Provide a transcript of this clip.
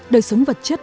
đời sống vật chất